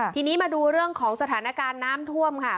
ทีนี้มาดูเรื่องของสถานการณ์น้ำท่วมค่ะ